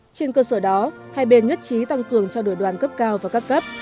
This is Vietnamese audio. trên cơ sở đó hai bên nhất trí tăng cường trao đổi đoàn cấp cao và các cấp